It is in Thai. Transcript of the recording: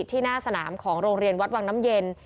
ที่หน้าสนามของโรงเรียนวัดวังน้ำเย็น